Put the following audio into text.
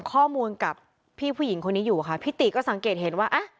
ข้อมูลกับพี่ผู้หญิงคนนี้อยู่ค่ะพี่ติก็สังเกตเห็นว่าอ่ะ